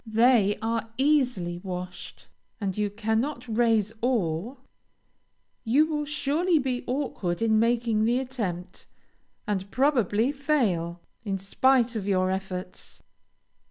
They are easily washed, and you cannot raise all. You will surely be awkward in making the attempt, and probably fail, in spite of your efforts.